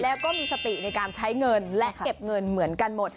แล้วก็มีสติในการใช้เงินและเก็บเงินเหมือนกันหมด